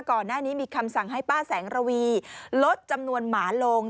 ก่อนหน้านี้มีคำสั่งให้ป้าแสงระวีลดจำนวนหมาลง